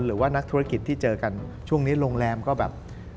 หรือว่านักธุรกิจที่เจอกันช่วงนี้โรงแรมก็แบบ